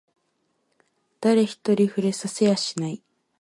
誰一人触れさせやしない